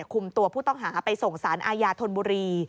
คุมตัวผู้ต้องหาไปส่งสารอาญาธนบุรี